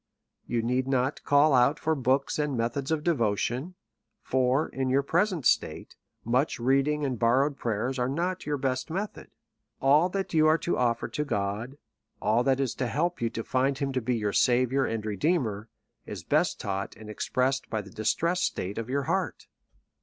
You need not call out for books and methods of devotion : for, in your present state, much reading and borrowed prayers are not your best method. All that you are to offer to God, all that is lo help you to find him to be your Saviour and Redeemer, is best taught and expressed by the distressed state of your heart.